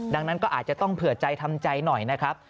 ดังนั้นก็อาจจะต้องเผื่อใจทำใจหน่อยนะครับ